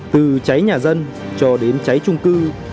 từ cháy nhà dân cho đến cháy trung cư